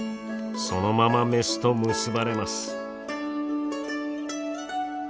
そのままメスと結ばれます。